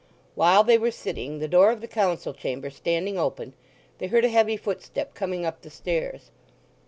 While they were sitting, the door of the Council Chamber standing open, they heard a heavy footstep coming up the stairs.